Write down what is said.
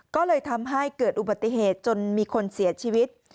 ก็เลยทำให้เกิดอุบัติเหตุจนมีคนเสียชีวิต